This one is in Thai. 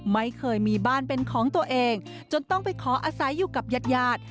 ไม่เคยมีบ้านเป็นของตัวเองจนต้องไปขออาศัยอยู่กับญาติญาติ